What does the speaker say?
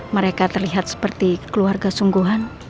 mereka terlihat seperti keluarga sungguhan